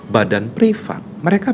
badan privat mereka